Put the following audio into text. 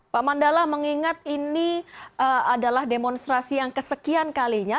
pak mandala mengingat ini adalah demonstrasi yang kesekian kalinya